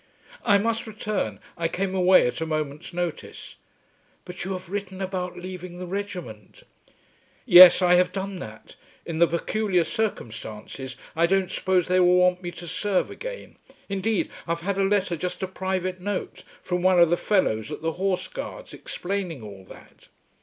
"I must return. I came away at a moment's notice." "But you have written about leaving the regiment." "Yes; I have done that. In the peculiar circumstances I don't suppose they will want me to serve again. Indeed I've had a letter, just a private note, from one of the fellows at the Horse Guards explaining all that."